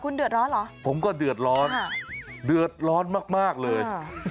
คุณเดือดร้อนเหรอผมก็เดือดร้อนเดือดร้อนมากมากเลย